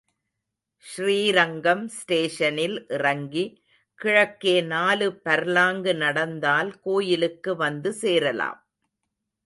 ஸ்ரீரங்கம் ஸ்டேஷனில் இறங்கி, கிழக்கே நாலு பர்லாங்கு நடந்தால் கோயிலுக்கு வந்துசேரலாம்.